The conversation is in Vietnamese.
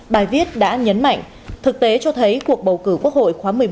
bài viết đã nhấn mạnh thực tế cho thấy cuộc bầu cử quốc hội khóa một mươi bốn